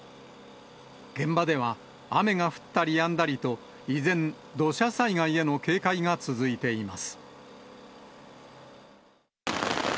現場では、雨が降ったりやんだりと、依然、土砂災害への警戒が続いています。